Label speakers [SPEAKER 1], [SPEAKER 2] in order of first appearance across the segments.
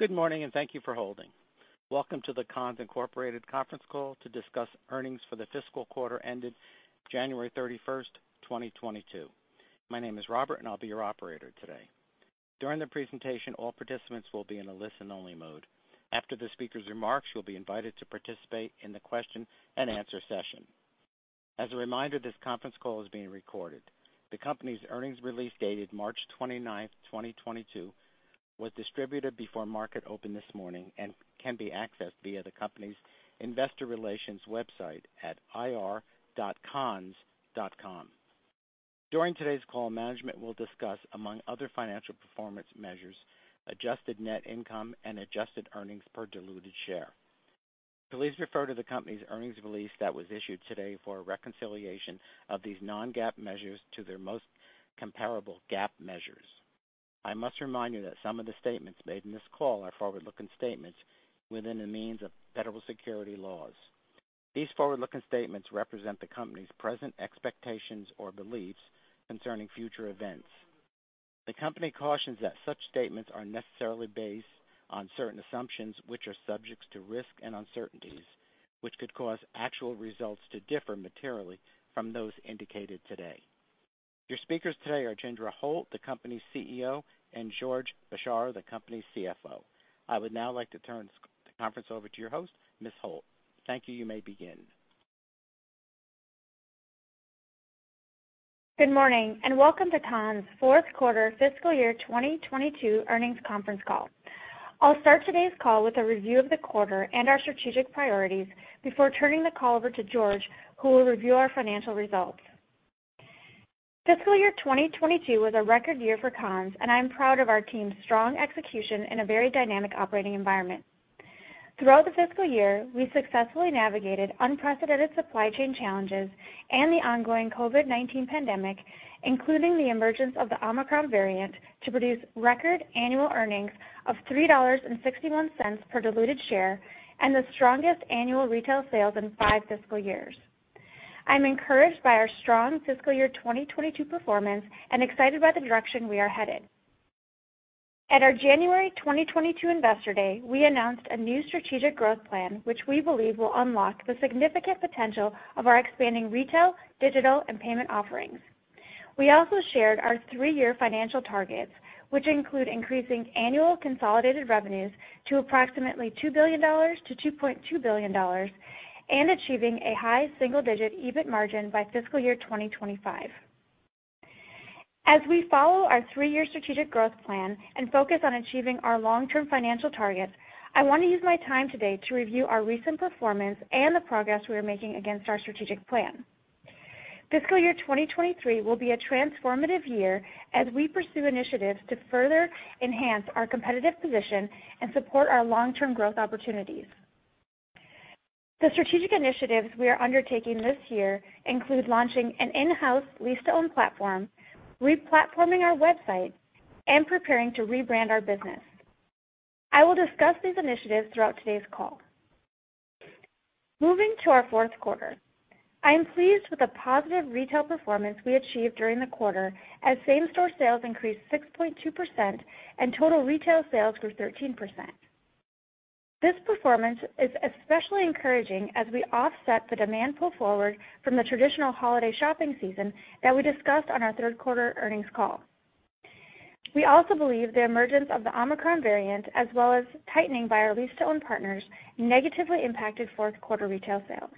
[SPEAKER 1] Good morning, and thank you for holding. Welcome to the Conn's, Inc. conference call to discuss earnings for the fiscal quarter ended January 31st, 2022. My name is Robert, and I'll be your operator today. During the presentation, all participants will be in a listen-only mode. After the speaker's remarks, you'll be invited to participate in the question and answer session. As a reminder, this conference call is being recorded. The company's earnings release dated March 29, 2022, was distributed before market open this morning and can be accessed via the company's investor relations website at ir.conns.com. During today's call, management will discuss, among other financial performance measures, adjusted net income and adjusted earnings per diluted share. Please refer to the company's earnings release that was issued today for a reconciliation of these non-GAAP measures to their most comparable GAAP measures. I must remind you that some of the statements made in this call are forward-looking statements within the meaning of federal securities laws. These forward-looking statements represent the company's present expectations or beliefs concerning future events. The company cautions that such statements are necessarily based on certain assumptions which are subject to risks and uncertainties, which could cause actual results to differ materially from those indicated today. Your speakers today are Chandra Holt, the company's CEO, and George Bchara, the company's CFO. I would now like to turn this conference over to your host, Ms. Holt. Thank you. You may begin.
[SPEAKER 2] Good morning, and welcome to Conn's fourth quarter fiscal year 2022 earnings conference call. I'll start today's call with a review of the quarter and our strategic priorities before turning the call over to George, who will review our financial results. Fiscal year 2022 was a record year for Conn's, and I am proud of our team's strong execution in a very dynamic operating environment. Throughout the fiscal year, we successfully navigated unprecedented supply chain challenges and the ongoing COVID-19 pandemic, including the emergence of the Omicron variant, to produce record annual earnings of $3.61 per diluted share and the strongest annual retail sales in five fiscal years. I'm encouraged by our strong fiscal year 2022 performance and excited by the direction we are headed. At our January 2022 Investor Day, we announced a new strategic growth plan, which we believe will unlock the significant potential of our expanding retail, digital, and payment offerings. We also shared our three-year financial targets, which include increasing annual consolidated revenues to approximately $2 billion-$2.2 billion and achieving a high single-digit EBIT margin by fiscal year 2025. As we follow our three-year strategic growth plan and focus on achieving our long-term financial targets, I want to use my time today to review our recent performance and the progress we are making against our strategic plan. Fiscal year 2023 will be a transformative year as we pursue initiatives to further enhance our competitive position and support our long-term growth opportunities. The strategic initiatives we are undertaking this year include launching an in-house lease-to-own platform, re-platforming our website, and preparing to rebrand our business. I will discuss these initiatives throughout today's call. Moving to our fourth quarter. I am pleased with the positive retail performance we achieved during the quarter as same-store sales increased 6.2% and total retail sales grew 13%. This performance is especially encouraging as we offset the demand pull forward from the traditional holiday shopping season that we discussed on our third quarter earnings call. We also believe the emergence of the Omicron variant as well as tightening by our lease-to-own partners negatively impacted fourth quarter retail sales.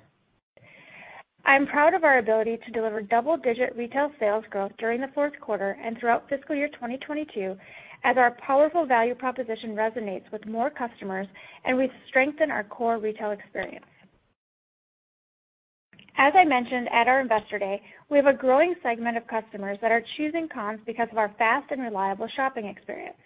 [SPEAKER 2] I am proud of our ability to deliver double-digit retail sales growth during the fourth quarter and throughout fiscal year 2022, as our powerful value proposition resonates with more customers, and we strengthen our core retail experience. As I mentioned at our Investor Day, we have a growing segment of customers that are choosing Conn's because of our fast and reliable shopping experience.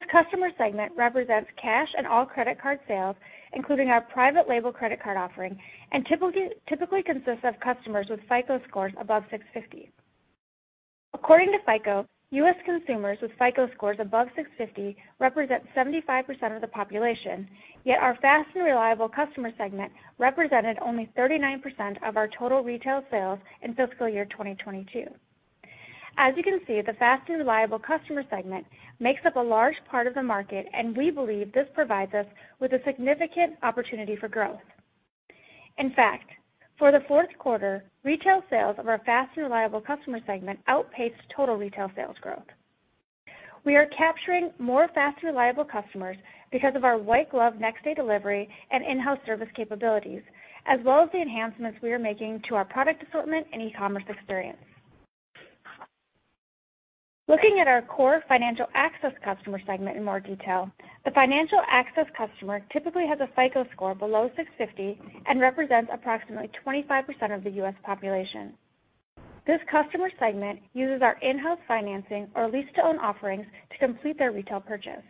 [SPEAKER 2] This customer segment represents cash and all credit card sales, including our private label credit card offering, and typically consists of customers with FICO scores above 650. According to FICO, U.S. consumers with FICO scores above 650 represent 75% of the population. Yet our fast and reliable customer segment represented only 39% of our total retail sales in fiscal year 2022. As you can see, the fast and reliable customer segment makes up a large part of the market, and we believe this provides us with a significant opportunity for growth. In fact, for the fourth quarter, retail sales of our fast and reliable customer segment outpaced total retail sales growth. We are capturing more fast and reliable customers because of our white glove next day delivery and in-house service capabilities, as well as the enhancements we are making to our product assortment and e-commerce experience. Looking at our core financial access customer segment in more detail, the financial access customer typically has a FICO score below 650 and represents approximately 25% of the U.S. population. This customer segment uses our in-house financing or lease-to-own offerings to complete their retail purchase.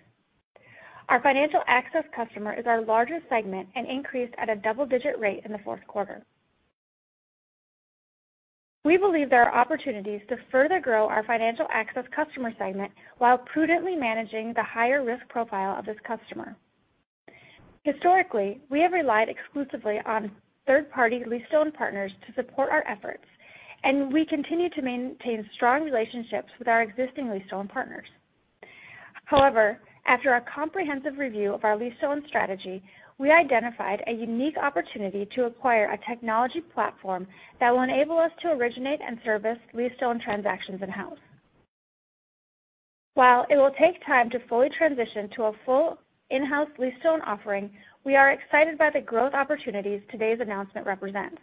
[SPEAKER 2] Our financial access customer is our largest segment and increased at a double-digit rate in the fourth quarter. We believe there are opportunities to further grow our financial access customer segment while prudently managing the higher risk profile of this customer. Historically, we have relied exclusively on third-party lease-to-own partners to support our efforts, and we continue to maintain strong relationships with our existing lease-to-own partners. However, after a comprehensive review of our lease-to-own strategy, we identified a unique opportunity to acquire a technology platform that will enable us to originate and service lease-to-own transactions in-house. While it will take time to fully transition to a full in-house lease-to-own offering, we are excited by the growth opportunities today's announcement represents.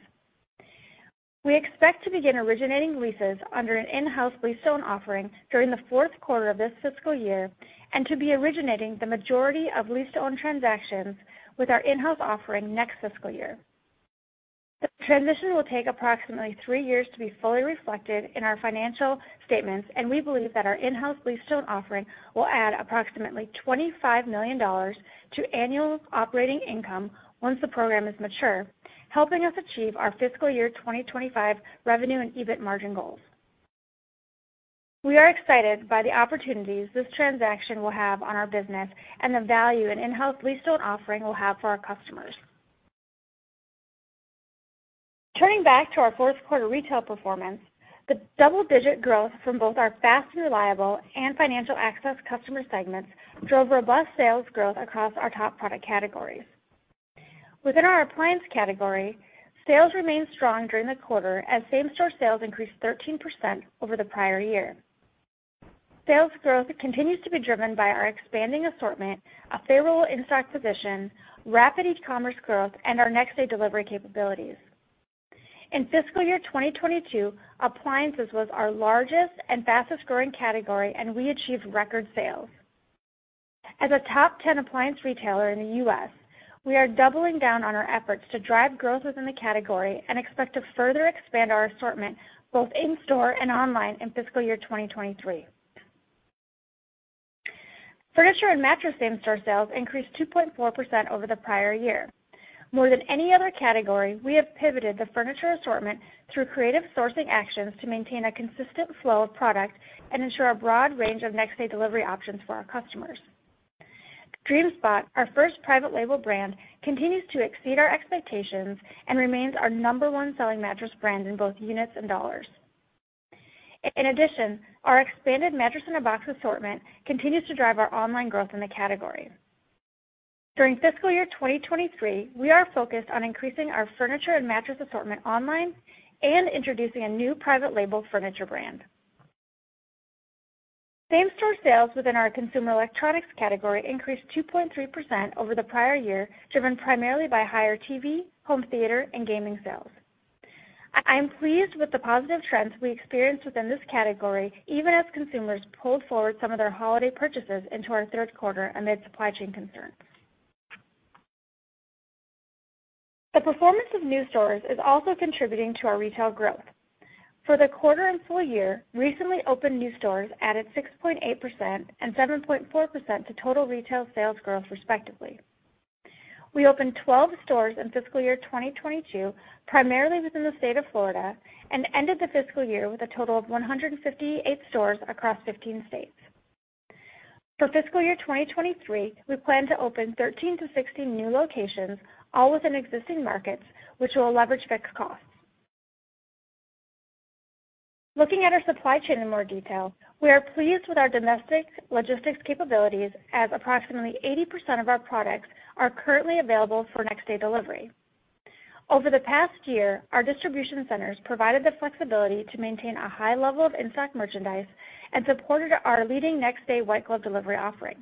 [SPEAKER 2] We expect to begin originating leases under an in-house lease-to-own offering during the fourth quarter of this fiscal year and to be originating the majority of lease-to-own transactions with our in-house offering next fiscal year. The transition will take approximately three years to be fully reflected in our financial statements, and we believe that our in-house lease-to-own offering will add approximately $25 million to annual operating income once the program is mature, helping us achieve our fiscal year 2025 revenue and EBIT margin goals. We are excited by the opportunities this transaction will have on our business and the value an in-house lease-to-own offering will have for our customers. Turning back to our fourth quarter retail performance, the double-digit growth from both our fast and reliable and financial access customer segments drove robust sales growth across our top product categories. Within our appliance category, sales remained strong during the quarter as same-store sales increased 13% over the prior year. Sales growth continues to be driven by our expanding assortment, a favorable in-stock position, rapid e-commerce growth, and our next-day delivery capabilities. In fiscal year 2022, appliances was our largest and fastest-growing category, and we achieved record sales. As a top 10 appliance retailer in the U.S., we are doubling down on our efforts to drive growth within the category and expect to further expand our assortment both in-store and online in fiscal year 2023. Furniture and mattress same-store sales increased 2.4% over the prior year. More than any other category, we have pivoted the furniture assortment through creative sourcing actions to maintain a consistent flow of product and ensure a broad range of next-day delivery options for our customers. DreamSpot, our first private label brand, continues to exceed our expectations and remains our number one selling mattress brand in both units and dollars. In addition, our expanded mattress-in-a-box assortment continues to drive our online growth in the category. During fiscal year 2023, we are focused on increasing our furniture and mattress assortment online and introducing a new private label furniture brand. Same-store sales within our consumer electronics category increased 2.3% over the prior year, driven primarily by higher TV, home theater, and gaming sales. I am pleased with the positive trends we experienced within this category, even as consumers pulled forward some of their holiday purchases into our third quarter amid supply chain concerns. The performance of new stores is also contributing to our retail growth. For the quarter and full year, recently opened new stores added 6.8% and 7.4% to total retail sales growth respectively. We opened 12 stores in fiscal year 2022, primarily within the state of Florida, and ended the fiscal year with a total of 158 stores across 15 states. For fiscal year 2023, we plan to open 13-16 new locations, all within existing markets, which will leverage fixed costs. Looking at our supply chain in more detail, we are pleased with our domestic logistics capabilities as approximately 80% of our products are currently available for next-day delivery. Over the past year, our distribution centers provided the flexibility to maintain a high level of in-stock merchandise and supported our leading next-day white glove delivery offering.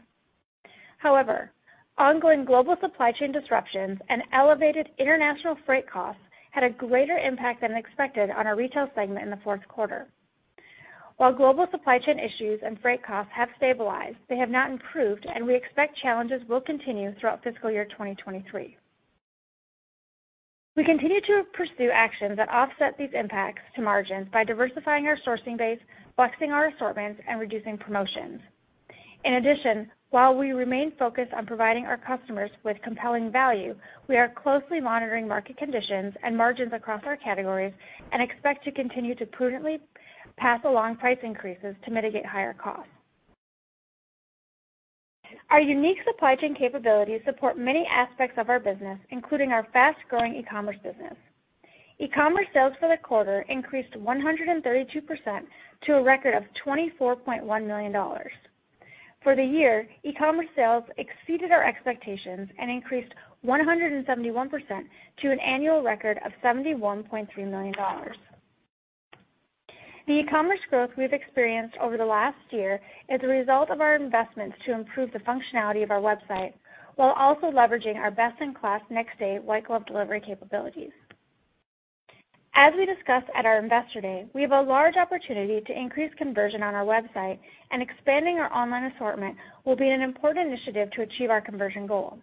[SPEAKER 2] However, ongoing global supply chain disruptions and elevated international freight costs had a greater impact than expected on our retail segment in the fourth quarter. While global supply chain issues and freight costs have stabilized, they have not improved, and we expect challenges will continue throughout fiscal year 2023. We continue to pursue actions that offset these impacts to margins by diversifying our sourcing base, flexing our assortments, and reducing promotions. In addition, while we remain focused on providing our customers with compelling value, we are closely monitoring market conditions and margins across our categories and expect to continue to prudently pass along price increases to mitigate higher costs. Our unique supply chain capabilities support many aspects of our business, including our fast-growing e-commerce business. E-commerce sales for the quarter increased 132% to a record of $24.1 million. For the year, e-commerce sales exceeded our expectations and increased 171% to an annual record of $71.3 million. The e-commerce growth we've experienced over the last year is a result of our investments to improve the functionality of our website while also leveraging our best-in-class next-day white glove delivery capabilities. As we discussed at our Investor Day, we have a large opportunity to increase conversion on our website, and expanding our online assortment will be an important initiative to achieve our conversion goal.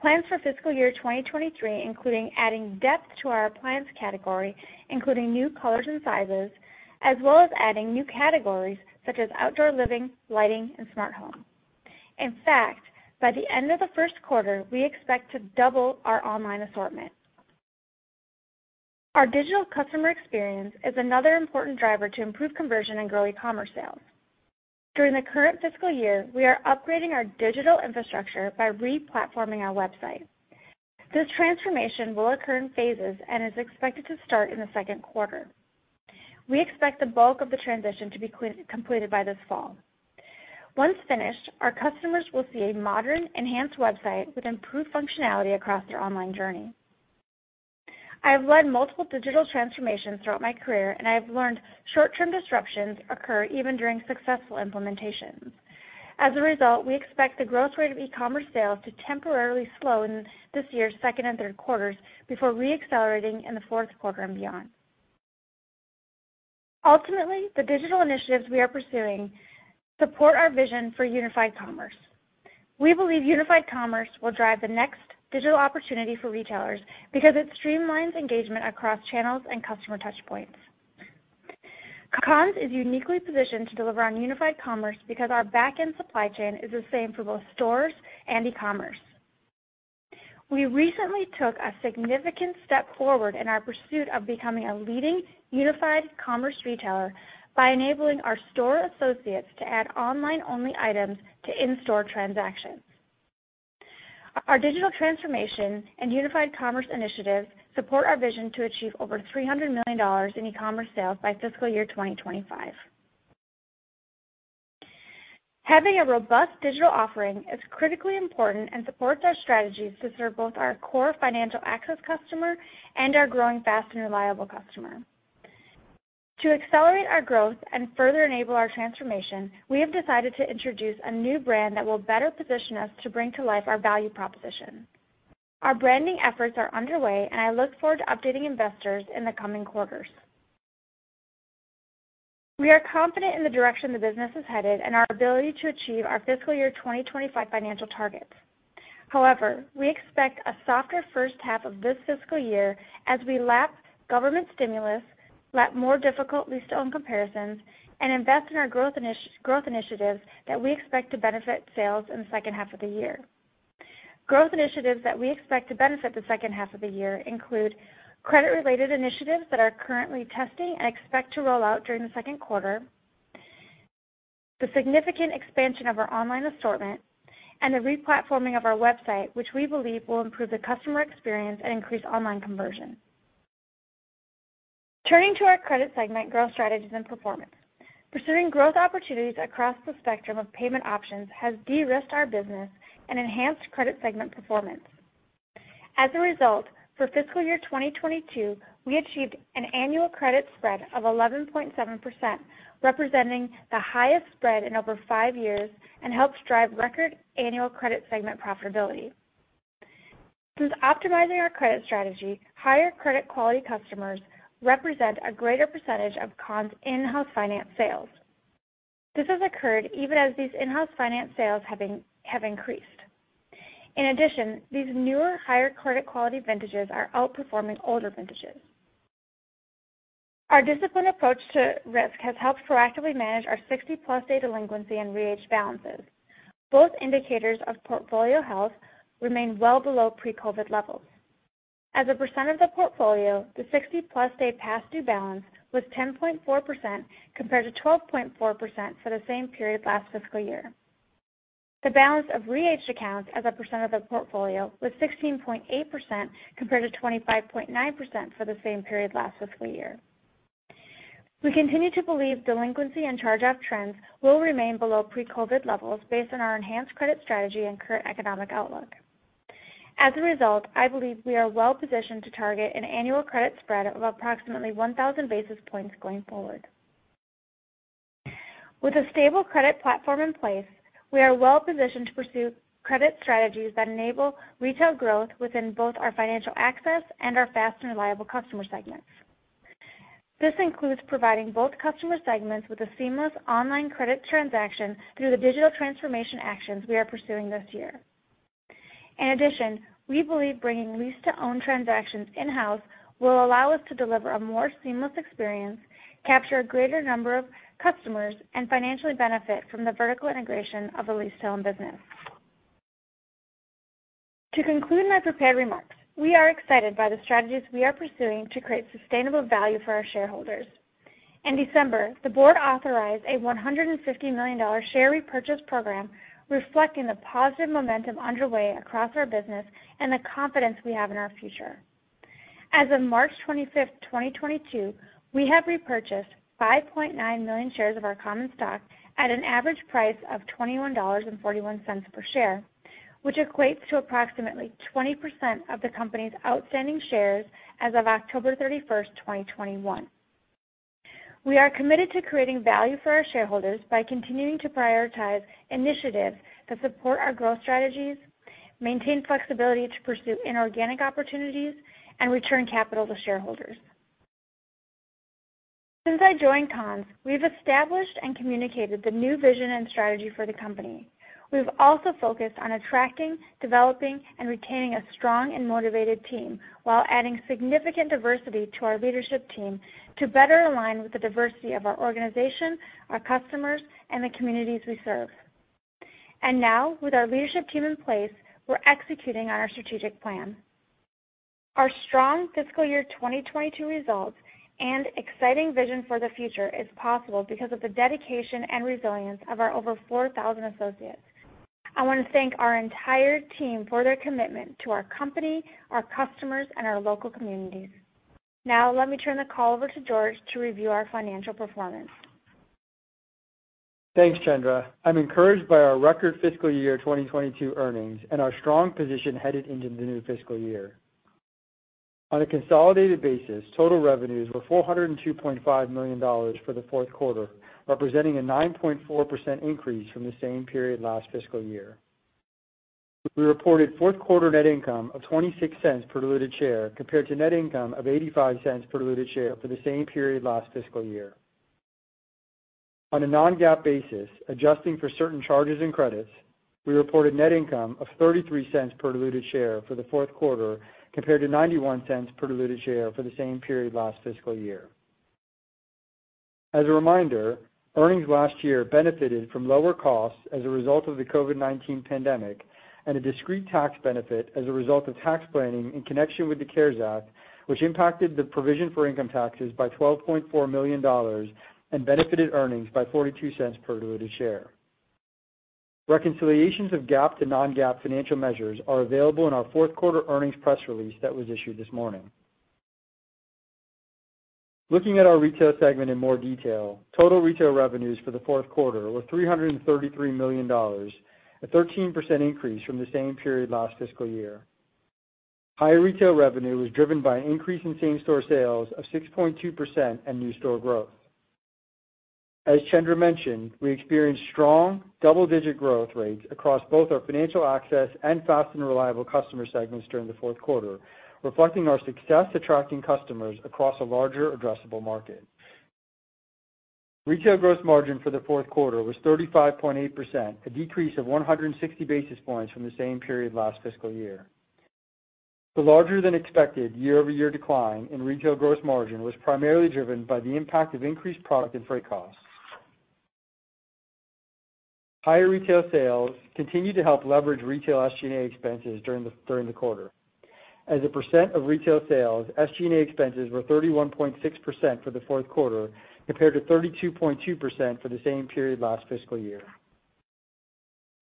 [SPEAKER 2] Plans for fiscal year 2023 include adding depth to our appliance category, including new colors and sizes, as well as adding new categories such as outdoor living, lighting, and smart home. In fact, by the end of the first quarter, we expect to double our online assortment. Our digital customer experience is another important driver to improve conversion and grow e-commerce sales. During the current fiscal year, we are upgrading our digital infrastructure by re-platforming our website. This transformation will occur in phases and is expected to start in the second quarter. We expect the bulk of the transition to be completed by this fall. Once finished, our customers will see a modern, enhanced website with improved functionality across their online journey. I have led multiple digital transformations throughout my career, and I have learned short-term disruptions occur even during successful implementations. As a result, we expect the growth rate of e-commerce sales to temporarily slow in this year's second and third quarters before re-accelerating in the fourth quarter and beyond. Ultimately, the digital initiatives we are pursuing support our vision for unified commerce. We believe unified commerce will drive the next digital opportunity for retailers because it streamlines engagement across channels and customer touchpoints. Conn's is uniquely positioned to deliver on unified commerce because our back-end supply chain is the same for both stores and e-commerce. We recently took a significant step forward in our pursuit of becoming a leading unified commerce retailer by enabling our store associates to add online-only items to in-store transactions. Our digital transformation and unified commerce initiatives support our vision to achieve over $300 million in e-commerce sales by fiscal year 2025. Having a robust digital offering is critically important and supports our strategies to serve both our core financial access customer and our growing fast and reliable customer. To accelerate our growth and further enable our transformation, we have decided to introduce a new brand that will better position us to bring to life our value proposition. Our branding efforts are underway, and I look forward to updating investors in the coming quarters. We are confident in the direction the business is headed and our ability to achieve our fiscal year 2025 financial targets. However, we expect a softer first half of this fiscal year as we lap government stimulus, lap more difficult lease to own comparisons, and invest in our growth initiatives that we expect to benefit sales in the second half of the year. Growth initiatives that we expect to benefit the second half of the year include credit-related initiatives that are currently testing and expect to roll out during the second quarter, the significant expansion of our online assortment, and the re-platforming of our website, which we believe will improve the customer experience and increase online conversion. Turning to our credit segment growth strategies and performance. Pursuing growth opportunities across the spectrum of payment options has de-risked our business and enhanced credit segment performance. As a result, for fiscal year 2022, we achieved an annual credit spread of 11.7%, representing the highest spread in over five years and helps drive record annual credit segment profitability. Since optimizing our credit strategy, higher credit quality customers represent a greater percentage of Conn's in-house finance sales. This has occurred even as these in-house finance sales have increased. In addition, these newer higher credit quality vintages are outperforming older vintages. Our disciplined approach to risk has helped proactively manage our 60+ day delinquency and re-aged balances. Both indicators of portfolio health remain well below pre-COVID levels. As a percent of the portfolio, the 60+ day past due balance was 10.4% compared to 12.4% for the same period last fiscal year. The balance of re-aged accounts as a percent of the portfolio was 16.8% compared to 25.9% for the same period last fiscal year. We continue to believe delinquency and charge-off trends will remain below pre-COVID levels based on our enhanced credit strategy and current economic outlook. As a result, I believe we are well positioned to target an annual credit spread of approximately 1,000 basis points going forward. With a stable credit platform in place, we are well positioned to pursue credit strategies that enable retail growth within both our financial access and our fast and reliable customer segments. This includes providing both customer segments with a seamless online credit transaction through the digital transformation actions we are pursuing this year. In addition, we believe bringing lease-to-own transactions in-house will allow us to deliver a more seamless experience, capture a greater number of customers, and financially benefit from the vertical integration of the lease-to-own business. To conclude my prepared remarks, we are excited by the strategies we are pursuing to create sustainable value for our shareholders. In December, the board authorized a $150 million share repurchase program reflecting the positive momentum underway across our business and the confidence we have in our future. As of March 25th, 2022, we have repurchased 5.9 million shares of our common stock at an average price of $21.41 per share, which equates to approximately 20% of the company's outstanding shares as of October 31st, 2021. We are committed to creating value for our shareholders by continuing to prioritize initiatives that support our growth strategies, maintain flexibility to pursue inorganic opportunities, and return capital to shareholders. Since I joined Conn's, we've established and communicated the new vision and strategy for the company. We've also focused on attracting, developing, and retaining a strong and motivated team while adding significant diversity to our leadership team to better align with the diversity of our organization, our customers, and the communities we serve. Now with our leadership team in place, we're executing on our strategic plan. Our strong fiscal year 2022 results and exciting vision for the future is possible because of the dedication and resilience of our over 4,000 associates. I want to thank our entire team for their commitment to our company, our customers, and our local communities. Now let me turn the call over to George to review our financial performance.
[SPEAKER 3] Thanks, Chandra. I'm encouraged by our record fiscal year 2022 earnings and our strong position headed into the new fiscal year. On a consolidated basis, total revenues were $402.5 million for the fourth quarter, representing a 9.4% increase from the same period last fiscal year. We reported fourth quarter net income of $0.26 per diluted share compared to net income of $0.85 per diluted share for the same period last fiscal year. On a non-GAAP basis, adjusting for certain charges and credits, we reported net income of $0.33 per diluted share for the fourth quarter compared to $0.91 per diluted share for the same period last fiscal year. As a reminder, earnings last year benefited from lower costs as a result of the COVID-19 pandemic and a discrete tax benefit as a result of tax planning in connection with the CARES Act, which impacted the provision for income taxes by $12.4 million and benefited earnings by $0.42 per diluted share. Reconciliations of GAAP to non-GAAP financial measures are available in our fourth quarter earnings press release that was issued this morning. Looking at our retail segment in more detail. Total retail revenues for the fourth quarter were $333 million, a 13% increase from the same period last fiscal year. Higher retail revenue was driven by an increase in same-store sales of 6.2% and new store growth. As Chandra mentioned, we experienced strong double-digit growth rates across both our financial access and fast and reliable customer segments during the fourth quarter, reflecting our success attracting customers across a larger addressable market. Retail gross margin for the fourth quarter was 35.8%, a decrease of 160 basis points from the same period last fiscal year. The larger than expected year-over-year decline in retail gross margin was primarily driven by the impact of increased product and freight costs. Higher retail sales continued to help leverage retail SG&A expenses during the quarter. As a percent of retail sales, SG&A expenses were 31.6% for the fourth quarter compared to 32.2% for the same period last fiscal year.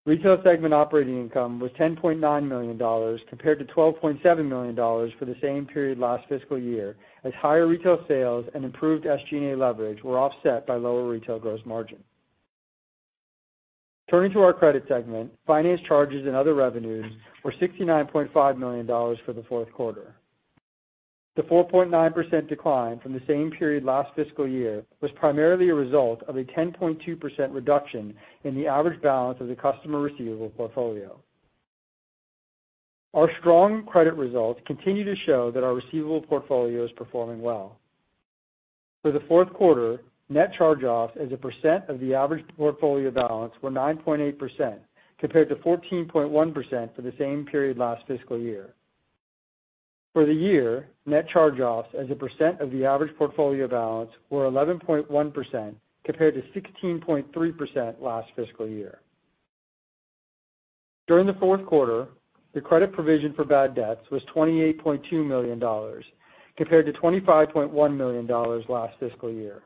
[SPEAKER 3] Retail segment operating income was $10.9 million compared to $12.7 million for the same period last fiscal year, as higher retail sales and improved SG&A leverage were offset by lower retail gross margin. Turning to our credit segment. Finance charges and other revenues were $69.5 million for the fourth quarter. The 4.9% decline from the same period last fiscal year was primarily a result of a 10.2% reduction in the average balance of the customer receivable portfolio. Our strong credit results continue to show that our receivable portfolio is performing well. For the fourth quarter, net charge-offs as a percent of the average portfolio balance were 9.8% compared to 14.1% for the same period last fiscal year. For the year, net charge-offs as a percent of the average portfolio balance were 11.1% compared to 16.3% last fiscal year. During the fourth quarter, the credit provision for bad debts was $28.2 million compared to $25.1 million last fiscal year.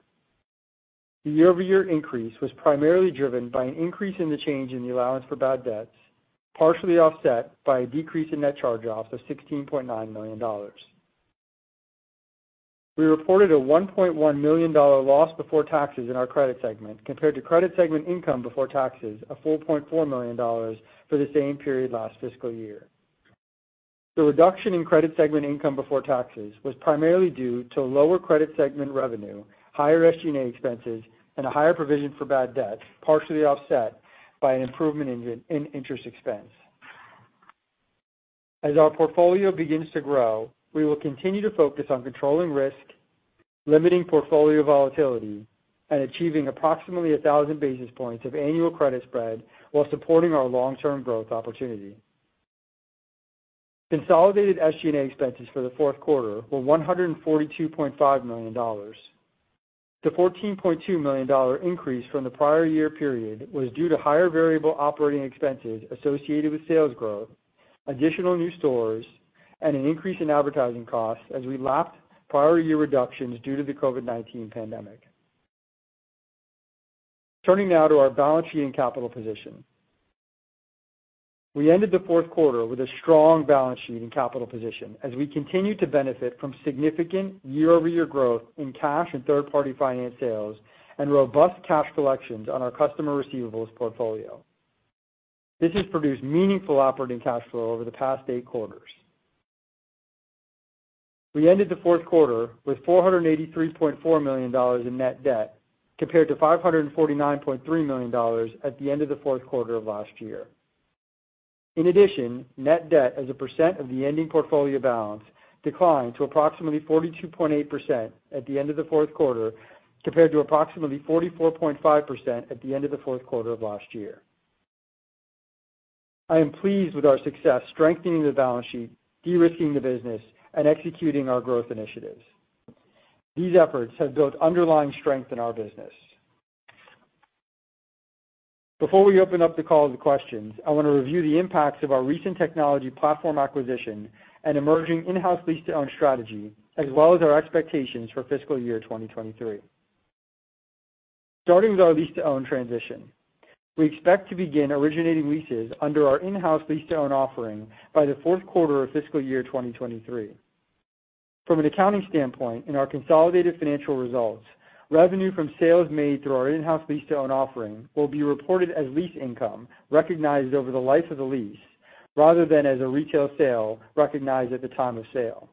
[SPEAKER 3] The year-over-year increase was primarily driven by an increase in the change in the allowance for bad debts, partially offset by a decrease in net charge-offs of $16.9 million. We reported a $1.1 million loss before taxes in our credit segment compared to credit segment income before taxes of $4.4 million for the same period last fiscal year. The reduction in credit segment income before taxes was primarily due to lower credit segment revenue, higher SG&A expenses, and a higher provision for bad debt, partially offset by an improvement in interest expense. As our portfolio begins to grow, we will continue to focus on controlling risk, limiting portfolio volatility, and achieving approximately 1,000 basis points of annual credit spread while supporting our long-term growth opportunity. Consolidated SG&A expenses for the fourth quarter were $142.5 million. The $14.2 million increase from the prior year period was due to higher variable operating expenses associated with sales growth, additional new stores, and an increase in advertising costs as we lapped prior year reductions due to the COVID-19 pandemic. Turning now to our balance sheet and capital position. We ended the fourth quarter with a strong balance sheet and capital position as we continue to benefit from significant year-over-year growth in cash and third-party finance sales and robust cash collections on our customer receivables portfolio. This has produced meaningful operating cash flow over the past eight quarters. We ended the fourth quarter with $483.4 million in net debt, compared to $549.3 million at the end of the fourth quarter of last year. In addition, net debt as a percent of the ending portfolio balance declined to approximately 42.8% at the end of the fourth quarter, compared to approximately 44.5% at the end of the fourth quarter of last year. I am pleased with our success strengthening the balance sheet, de-risking the business, and executing our growth initiatives. These efforts have built underlying strength in our business. Before we open up the call to questions, I wanna review the impacts of our recent technology platform acquisition and emerging in-house lease-to-own strategy, as well as our expectations for fiscal year 2023. Starting with our lease-to-own transition, we expect to begin originating leases under our in-house lease-to-own offering by the fourth quarter of fiscal year 2023. From an accounting standpoint, in our consolidated financial results, revenue from sales made through our in-house lease-to-own offering will be reported as lease income recognized over the life of the lease rather than as a retail sale recognized at the time of sale.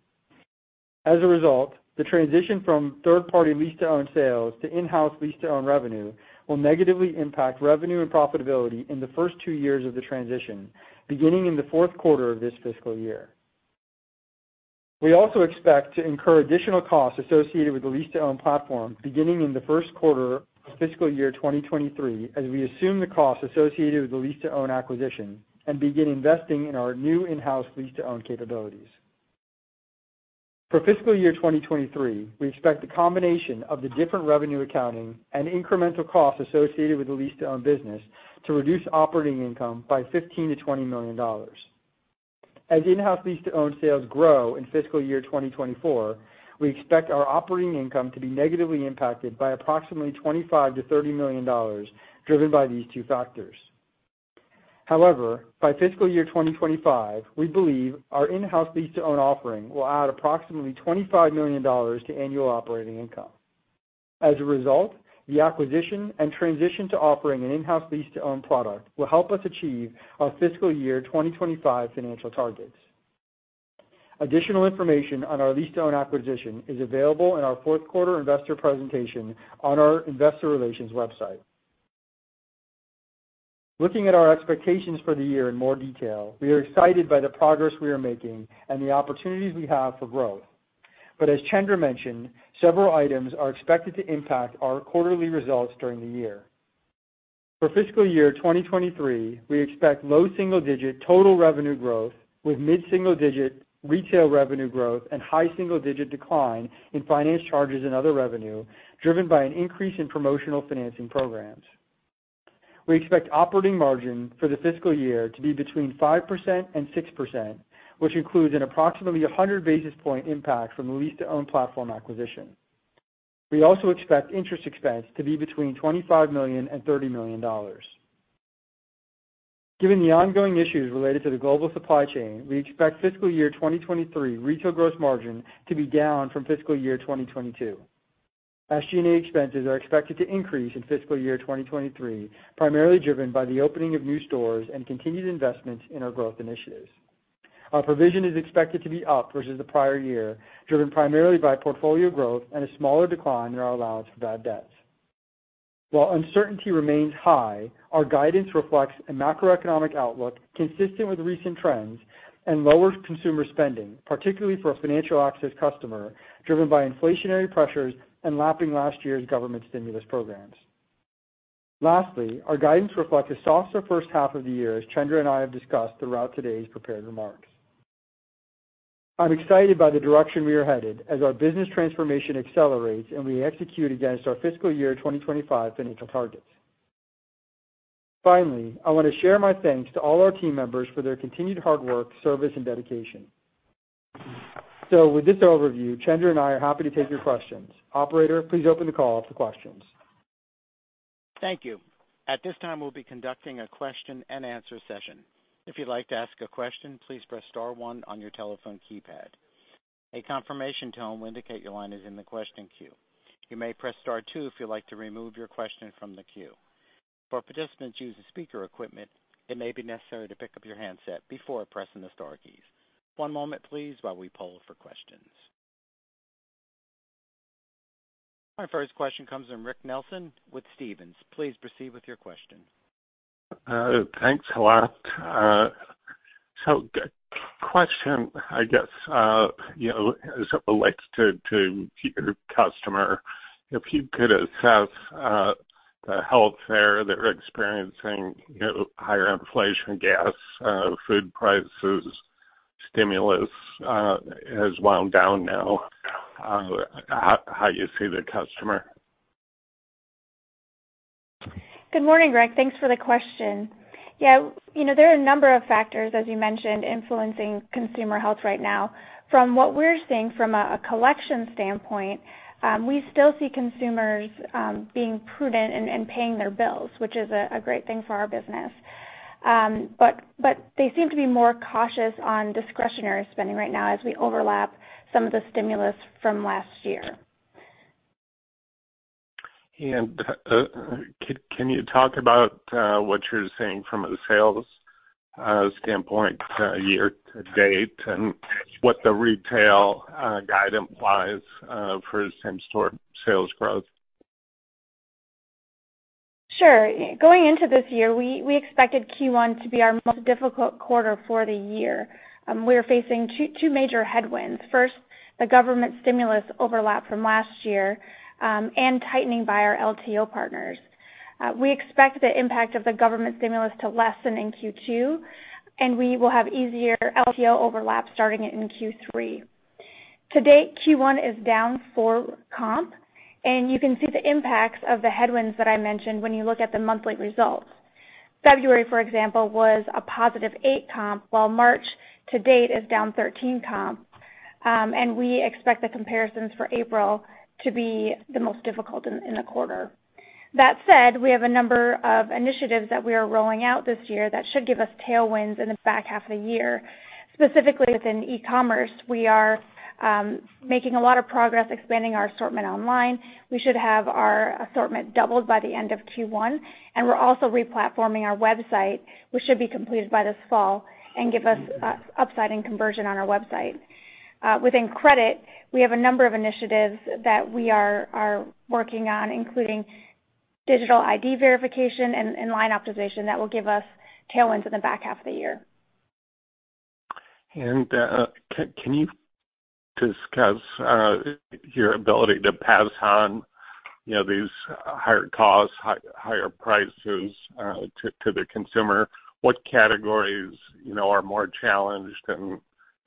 [SPEAKER 3] As a result, the transition from third party lease-to-own sales to in-house lease-to-own revenue will negatively impact revenue and profitability in the first two years of the transition, beginning in the fourth quarter of this fiscal year. We also expect to incur additional costs associated with the lease-to-own platform beginning in the first quarter of fiscal year 2023, as we assume the costs associated with the lease-to-own acquisition and begin investing in our new in-house lease-to-own capabilities. For fiscal year 2023, we expect the combination of the different revenue accounting and incremental costs associated with the lease-to-own business to reduce operating income by $15 million-$20 million. As in-house lease-to-own sales grow in fiscal year 2024, we expect our operating income to be negatively impacted by approximately $25 million-$30 million driven by these two factors. However, by fiscal year 2025, we believe our in-house lease-to-own offering will add approximately $25 million to annual operating income. As a result, the acquisition and transition to offering an in-house lease-to-own product will help us achieve our fiscal year 2025 financial targets. Additional information on our lease-to-own acquisition is available in our fourth quarter investor presentation on our investor relations website. Looking at our expectations for the year in more detail, we are excited by the progress we are making and the opportunities we have for growth. As Chandra mentioned, several items are expected to impact our quarterly results during the year. For fiscal year 2023, we expect low single-digit total revenue growth with mid-single-digit retail revenue growth and high single-digit decline in finance charges and other revenue driven by an increase in promotional financing programs. We expect operating margin for the fiscal year to be between 5% and 6%, which includes an approximately 100 basis points impact from the lease-to-own platform acquisition. We also expect interest expense to be between $25 million and $30 million. Given the ongoing issues related to the global supply chain, we expect fiscal year 2023 retail gross margin to be down from fiscal year 2022. SG&A expenses are expected to increase in fiscal year 2023, primarily driven by the opening of new stores and continued investments in our growth initiatives. Our provision is expected to be up versus the prior year, driven primarily by portfolio growth and a smaller decline in our allowance for bad debts. While uncertainty remains high, our guidance reflects a macroeconomic outlook consistent with recent trends and lower consumer spending, particularly for a financial access customer driven by inflationary pressures and lapping last year's government stimulus programs. Lastly, our guidance reflects a softer first half of the year, as Chandra and I have discussed throughout today's prepared remarks. I'm excited by the direction we are headed as our business transformation accelerates and we execute against our fiscal year 2025 financial targets. Finally, I wanna share my thanks to all our team members for their continued hard work, service, and dedication. With this overview, Chandra and I are happy to take your questions. Operator, please open the call for questions.
[SPEAKER 1] Thank you. At this time, we'll be conducting a question and answer session. If you'd like to ask a question, please press star one on your telephone keypad. A confirmation tone will indicate your line is in the question queue. You may press star two if you'd like to remove your question from the queue. For participants using speaker equipment, it may be necessary to pick up your handset before pressing the star keys. One moment please while we poll for questions. Our first question comes from Rick Nelson with Stephens. Please proceed with your question.
[SPEAKER 4] Thanks a lot. Question, I guess, you know, as it relates to your customer, if you could assess the health there. They're experiencing, you know, higher inflation, gas, food prices. Stimulus has wound down now. How you see the customer.
[SPEAKER 2] Good morning, Rick. Thanks for the question. Yeah, you know, there are a number of factors, as you mentioned, influencing consumer health right now. From what we're seeing from a collection standpoint, we still see consumers being prudent and paying their bills, which is a great thing for our business. But they seem to be more cautious on discretionary spending right now as we overlap some of the stimulus from last year.
[SPEAKER 4] Can you talk about what you're seeing from a sales standpoint year to date and what the retail guidance implies for same-store sales growth?
[SPEAKER 2] Sure. Going into this year, we expected Q1 to be our most difficult quarter for the year. We were facing two major headwinds. First, the government stimulus overlap from last year, and tightening by our LTO partners. We expect the impact of the government stimulus to lessen in Q2, and we will have easier LTO overlap starting in Q3. To date, Q1 is down 4 comp, and you can see the impacts of the headwinds that I mentioned when you look at the monthly results. February, for example, was a positive 8 comp, while March to date is down 13 comp. We expect the comparisons for April to be the most difficult in the quarter. That said, we have a number of initiatives that we are rolling out this year that should give us tailwinds in the back half of the year. Specifically, within e-commerce, we are making a lot of progress expanding our assortment online. We should have our assortment doubled by the end of Q1, and we're also re-platforming our website, which should be completed by this fall and give us upside in conversion on our website. Within credit, we have a number of initiatives that we are working on, including digital ID verification and line optimization that will give us tailwinds in the back half of the year.
[SPEAKER 4] Can you discuss your ability to pass on, you know, these higher costs, higher prices to the consumer? What categories, you know, are more challenged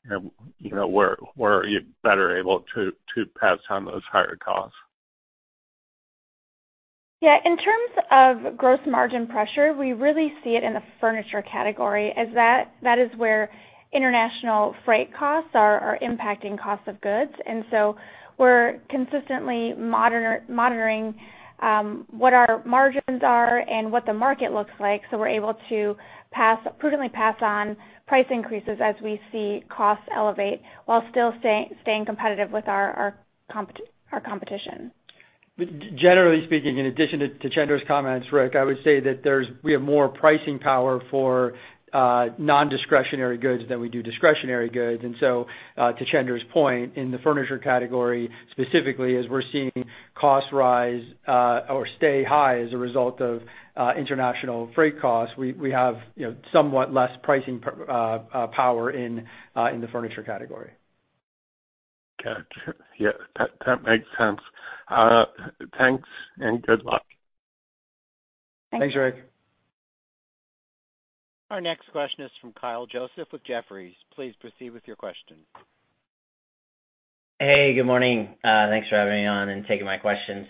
[SPEAKER 4] and, you know, where are you better able to pass on those higher costs?
[SPEAKER 2] Yeah. In terms of gross margin pressure, we really see it in the furniture category as that is where international freight costs are impacting cost of goods. We're consistently monitoring what our margins are and what the market looks like, so we're able to prudently pass on price increases as we see costs elevate while still staying competitive with our competition.
[SPEAKER 3] Generally speaking, in addition to Chandra's comments, Rick, I would say that we have more pricing power for non-discretionary goods than we do discretionary goods. To Chandra's point, in the furniture category specifically, as we're seeing costs rise or stay high as a result of international freight costs, we have, you know, somewhat less pricing power in the furniture category.
[SPEAKER 4] Gotcha. Yeah. That makes sense. Thanks and good luck.
[SPEAKER 2] Thanks.
[SPEAKER 3] Thanks, Rick.
[SPEAKER 1] Our next question is from Kyle Joseph with Jefferies. Please proceed with your question.
[SPEAKER 5] Hey, good morning. Thanks for having me on and taking my questions.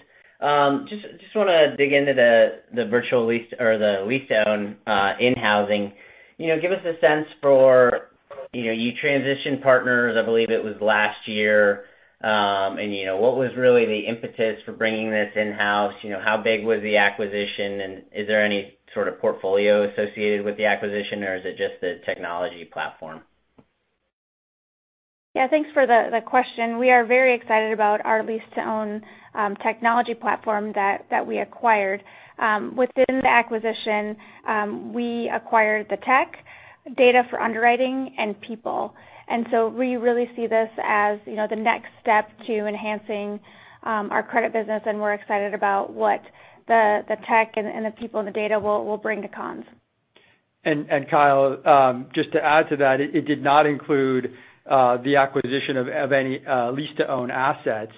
[SPEAKER 5] Just wanna dig into the virtual lease or the lease-own in-housing. You know, give us a sense for, you know, you transitioned partners, I believe it was last year. You know, what was really the impetus for bringing this in-house? You know, how big was the acquisition, and is there any sort of portfolio associated with the acquisition, or is it just the technology platform?
[SPEAKER 2] Yeah, thanks for the question. We are very excited about our lease-to-own technology platform that we acquired. Within the acquisition, we acquired the tech, data for underwriting and people. We really see this as, you know, the next step to enhancing our credit business, and we're excited about what the tech and the people and the data will bring to Conn's.
[SPEAKER 3] Kyle, just to add to that, it did not include the acquisition of any lease-to-own assets.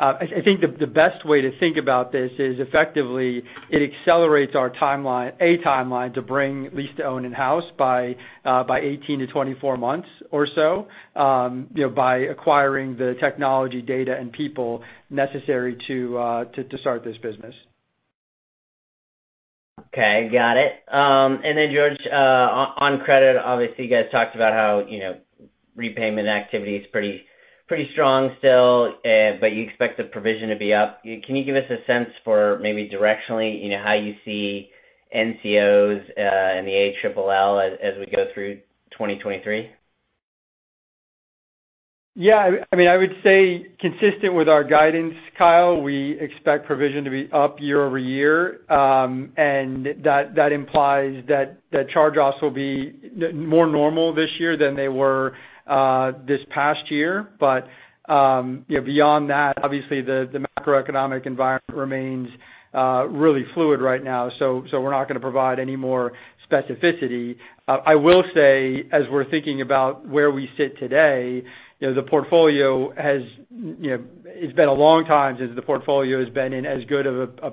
[SPEAKER 3] I think the best way to think about this is effectively it accelerates our timeline, a timeline to bring lease-to-own in-house by 18-24 months or so, you know, by acquiring the technology data and people necessary to start this business.
[SPEAKER 5] Okay. Got it. George, on credit, obviously, you guys talked about how, you know, repayment activity is pretty strong still, but you expect the provision to be up. Can you give us a sense for maybe directionally, you know, how you see NCOs and the ALL as we go through 2023?
[SPEAKER 3] Yeah. I mean, I would say consistent with our guidance, Kyle, we expect provision to be up year-over-year. That implies that charge-offs will be more normal this year than they were this past year. You know, beyond that, obviously the macroeconomic environment remains really fluid right now, so we're not gonna provide any more specificity. I will say, as we're thinking about where we sit today, you know, the portfolio has. It's been a long time since the portfolio has been in as good of a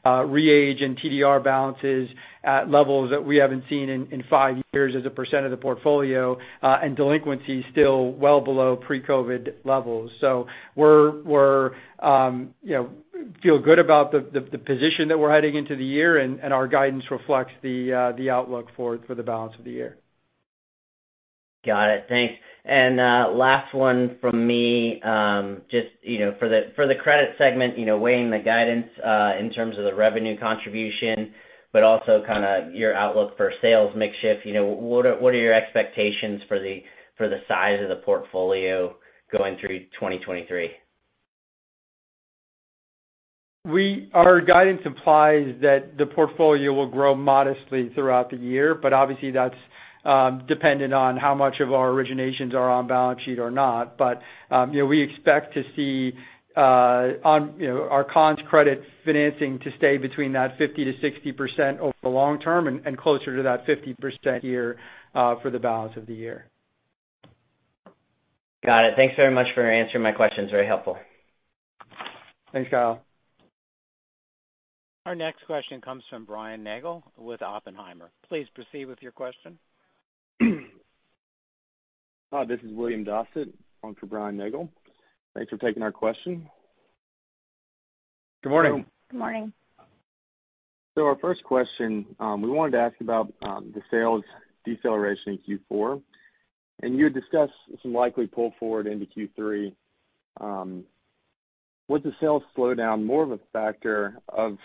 [SPEAKER 3] position as we are today with re-aged and TDR balances at levels that we haven't seen in five years as a percent of the portfolio, and delinquency still well below pre-COVID levels. We're you know feel good about the position that we're heading into the year and our guidance reflects the outlook for the balance of the year.
[SPEAKER 5] Got it. Thanks. Last one from me. Just, you know, for the credit segment, you know, weighing the guidance in terms of the revenue contribution, but also kinda your outlook for sales mix shift. You know, what are your expectations for the size of the portfolio going through 2023?
[SPEAKER 3] Our guidance implies that the portfolio will grow modestly throughout the year, but obviously that's dependent on how much of our originations are on balance sheet or not. You know, we expect to see our Conn's credit financing stay between 50%-60% over the long term and closer to 50% this year for the balance of the year.
[SPEAKER 5] Got it. Thanks very much for answering my questions. Very helpful.
[SPEAKER 3] Thanks, Kyle.
[SPEAKER 1] Our next question comes from Brian Nagel with Oppenheimer. Please proceed with your question.
[SPEAKER 6] Hi, this is William Dossett for Brian Nagel. Thanks for taking our question.
[SPEAKER 3] Good morning.
[SPEAKER 2] Good morning.
[SPEAKER 6] Our first question, we wanted to ask about the sales deceleration in Q4, and you had discussed some likely pull forward into Q3. Was the sales slowdown more of a factor of,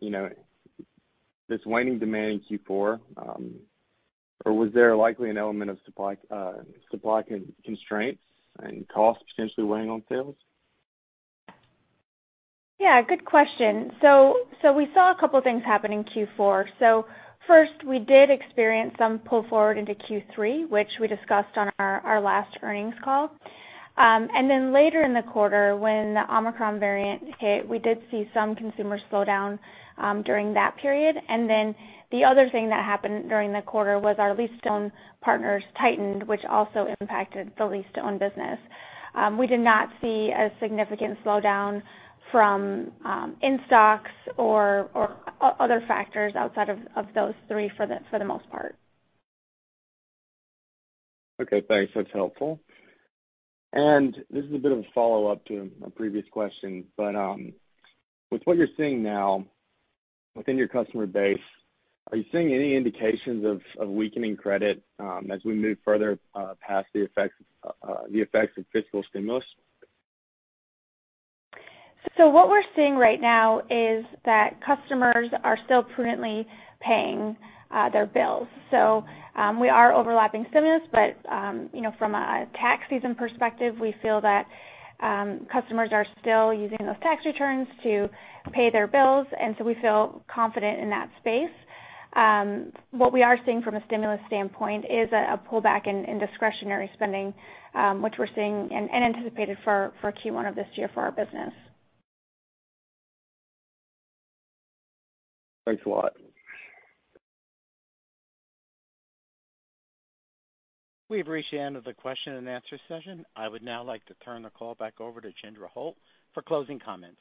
[SPEAKER 6] you know, this waning demand in Q4? Or was there likely an element of supply constraints and costs potentially weighing on sales?
[SPEAKER 2] Yeah, good question. We saw a couple things happen in Q4. First, we did experience some pull forward into Q3, which we discussed on our last earnings call. Later in the quarter, when the Omicron variant hit, we did see some consumer slowdown during that period. The other thing that happened during the quarter was our lease to own partners tightened, which also impacted the lease to own business. We did not see a significant slowdown from in stocks or other factors outside of those three for the most part.
[SPEAKER 6] Okay, thanks. That's helpful. This is a bit of a follow-up to a previous question, but with what you're seeing now within your customer base, are you seeing any indications of weakening credit as we move further past the effects of fiscal stimulus?
[SPEAKER 2] What we're seeing right now is that customers are still prudently paying their bills. We are overlapping stimulus, but you know, from a tax season perspective, we feel that customers are still using those tax returns to pay their bills, and so we feel confident in that space. What we are seeing from a stimulus standpoint is a pullback in discretionary spending, which we're seeing and anticipated for Q1 of this year for our business.
[SPEAKER 6] Thanks a lot.
[SPEAKER 1] We have reached the end of the question and answer session. I would now like to turn the call back over to Chandra Holt for closing comments.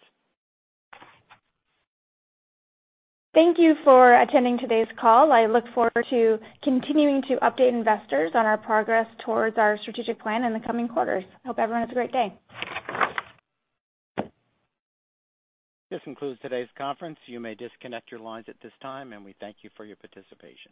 [SPEAKER 2] Thank you for attending today's call. I look forward to continuing to update investors on our progress towards our strategic plan in the coming quarters. Hope everyone has a great day.
[SPEAKER 1] This concludes today's conference. You may disconnect your lines at this time, and we thank you for your participation.